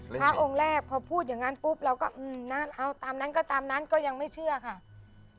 พระองค์แรกพอพูดอย่างนั้นปุ๊บเราก็เอาตามนั้นก็ตามนั้นก็ยังไม่เชื่อค่ะ